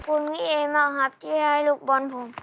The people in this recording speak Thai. ขอบคุณพี่เอมากครับที่ให้ลูกบอลผม